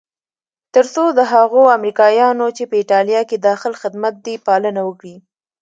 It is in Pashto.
تر څو د هغو امریکایانو چې په ایټالیا کې داخل خدمت دي پالنه وکړي.